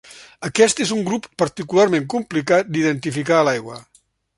Aquest és un grup particularment complicat d'identificar a l'aigua.